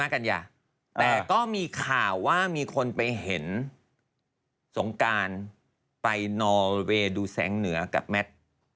แต่ก็มีข่าวว่ามีคนไปเห็นสงการไปนอเวย์ดูแสงเหนือกับแมท